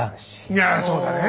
いやそうだね！